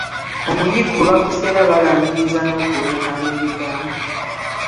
Omuyiggo bagusera balaamiriza n'okuleekana ebigambo